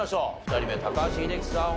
２人目高橋英樹さん